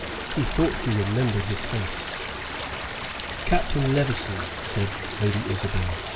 He thought he remembered his face. "Captain Levison," said Lady Isabel.